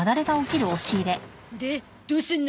でどうすんの？